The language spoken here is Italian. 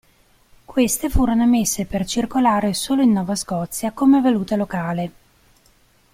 Queste furono emesse per circolare solo in Nova Scotia come valuta locale.